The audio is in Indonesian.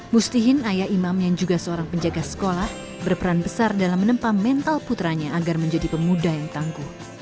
mustihin ayah imam yang juga seorang penjaga sekolah berperan besar dalam menempa mental putranya agar menjadi pemuda yang tangguh